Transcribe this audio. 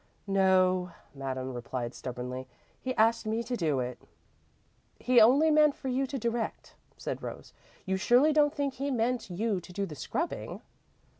"No," Madame replied stubbornly. "He asked me to do it." "He only meant for you to direct," said Rose. "You surely don't think he meant you to do the scrubbing?"